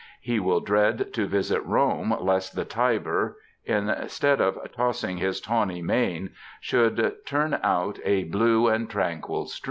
He will dread to visit Rome lest the Tiber, instead of ^* tossing his tawny mane,^ should turn out a blue and tranquil stream.